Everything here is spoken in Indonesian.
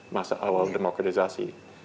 masa awal demokratisasi